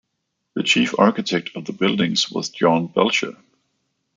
The chief architect of the buildings was John Belcher.